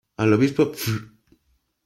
Al obispo Fr.